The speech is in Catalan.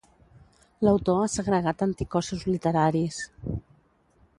L'autor ha segregat anticossos literaris